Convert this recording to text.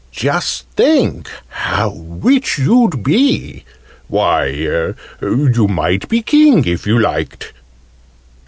Just think how rich you'd be! Why, you might be a King, if you liked!"